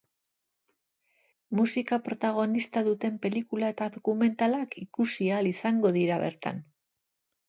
Musika protagonista duten pelikula eta dokumentalak ikusi ahal izango dira bertan.